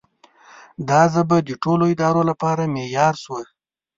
دا ژبه د ټولو ادارو لپاره معیار شوه.